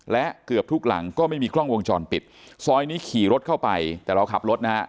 และเกือบทุกหลังก็ไม่มีกล้องวงจรปิดซอยนี้ขี่รถเข้าไปแต่เราขับรถนะฮะ